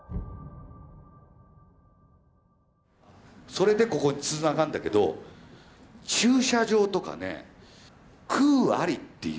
それでここにつながるんだけど駐車場とかね「空あり」っていうね